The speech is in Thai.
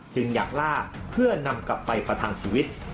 จึงอยากล่าเพื่อนำกลับไปประทานสวิตส์